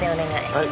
はい。